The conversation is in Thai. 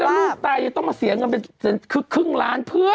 ลูกตายยังต้องมาเสียเงินเป็นครึ่งล้านเพื่อ